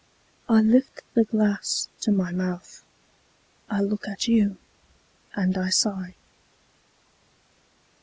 I lift the glass to my mouth, I look at you, and I sigh.